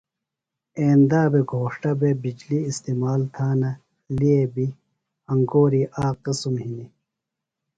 ایندا بھے گھوݜٹہ بےۡ بِجلیۡ استعمال تھانہ لےۡ بیۡ انگوری آک قسم ہنیۡ۔